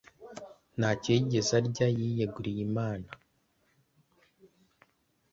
ntacyo yigeze arya Yiyeguriye Imana